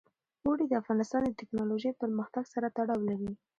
اوړي د افغانستان د تکنالوژۍ پرمختګ سره تړاو لري.